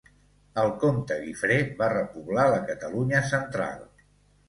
El comte Guifré va repoblar la Catalunya Central.